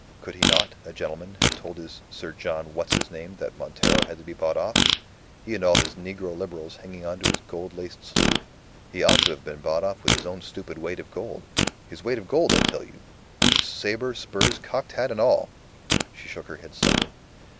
Could he not, a gentleman, have told this Sir John what's his name that Montero had to be bought off he and all his Negro Liberals hanging on to his gold laced sleeve? He ought to have been bought off with his own stupid weight of gold his weight of gold, I tell you, boots, sabre, spurs, cocked hat, and all." She shook her head slightly.